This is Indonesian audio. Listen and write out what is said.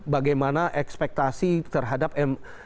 bagaimana ekspektasi terhadap perusahaan